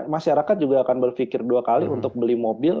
masyarakat juga akan berpikir dua kali untuk beli mobil